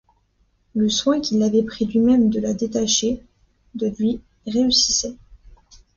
Le soin qu’il avait pris lui-même de la détacher de lui réussissait.